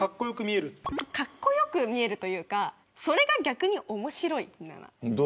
かっこよく見えるというかそれが逆に面白いみたいな。